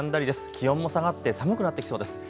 気温も下がって寒くなってきそうです。